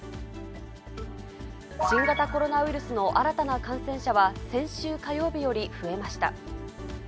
新型コロナウイルスの新たな感染者は、先週火曜日より増えました。